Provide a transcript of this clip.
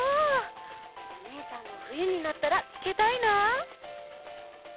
おねえさんもふゆになったらつけたいな！